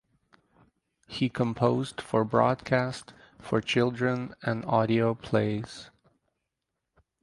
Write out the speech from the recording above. He composed for broadcast for children and audio plays.